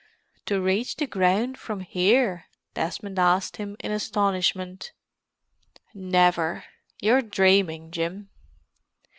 "To reach the ground from here?" Desmond asked him in astonishment. "Never! You're dreaming, Jim."